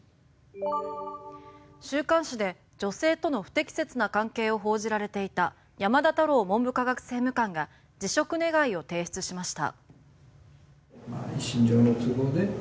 週刊誌で女性との不適切な関係を報じられていた山田太郎文部科学政務官が辞職願を提出しました。